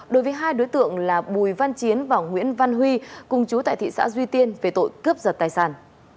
đối với hai đối tượng là bùi văn chiến và nguyễn văn huy cùng chú tại thị xã duy tiên về tội cướp giật tài sản